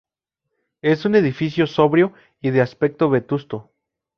Es un edificio sobrio y de aspecto vetusto.